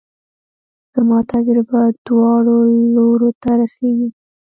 زما تجربه دواړو لورو ته رسېږي.